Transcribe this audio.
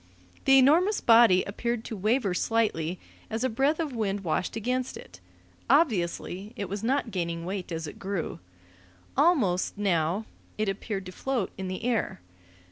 The enormous body appeared to waver slightly as a breath of wind washed against it: obviously it was not gaining weight as it grew. Almost, now, it appeared to float in the air.